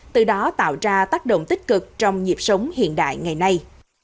từ đó tạo ra tác động tích cực trong nhịp sống hiện đại ngày nay